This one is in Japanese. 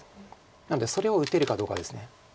なのでそれを打てるかどうかです。